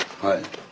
はい。